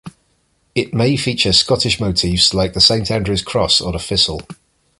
It may feature Scottish motifs like the Saint Andrew's Cross, or the thistle.